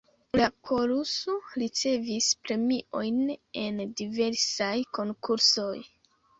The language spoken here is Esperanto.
La koruso ricevis premiojn en diversaj konkursoj.